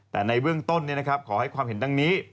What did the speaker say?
แต่ในเบื้องต้นขอให้ความเห็นดังนี้